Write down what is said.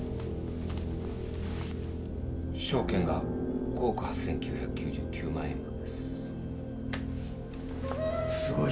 証券が５億８，９９９万円分です。